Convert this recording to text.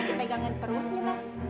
dipegangin perutnya mas